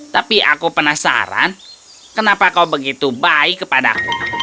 tapi aku penasaran kenapa kau begitu baik kepadaku